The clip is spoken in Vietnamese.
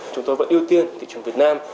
chúng tôi vẫn ưu tiên thị trường việt nam